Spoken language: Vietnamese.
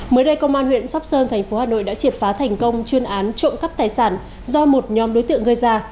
mới đây công an huyện sóc sơn thành phố hà nội đã triệt phá thành công chuyên án trộm cắp tài sản do một nhóm đối tượng gây ra